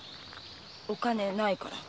お金ないから。